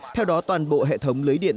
theo đó toàn bộ hệ thống lưới điện